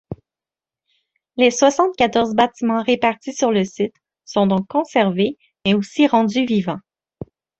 Les soixante-quatorze bâtiments répartis sur le site sont donc conservés mais aussi rendus vivants.